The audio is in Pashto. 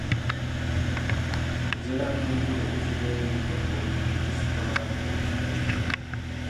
زه لا هم د وچې ډوډۍ پخولو بشپړه طریقه نه لرم.